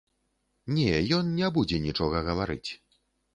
Не, ён не будзе нічога гаварыць.